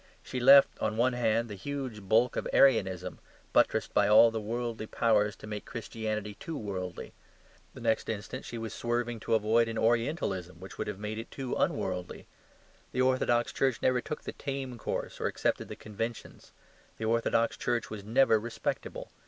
She left on one hand the huge bulk of Arianism, buttressed by all the worldly powers to make Christianity too worldly. The next instant she was swerving to avoid an orientalism, which would have made it too unworldly. The orthodox Church never took the tame course or accepted the conventions; the orthodox Church was never respectable.